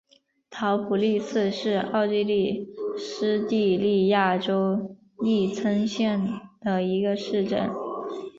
陶普利茨是奥地利施蒂利亚州利岑县的一个市镇。